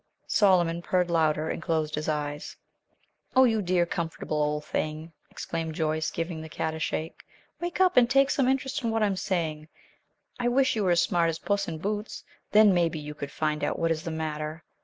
Solomon purred louder and closed his eyes. "Oh, you dear, comfortable old thing," exclaimed Joyce, giving the cat a shake. "Wake up and take some interest in what I am saying. I wish you were as smart as Puss in Boots; then maybe you could find out what is the matter.